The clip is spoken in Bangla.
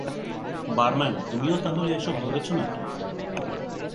বারম্যান, তুমিও তাহলে এসব ধরেছো নাকি?